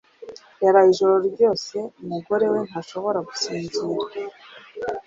Yaraye ijoro ryose, umugore we ntashobora gusinzira.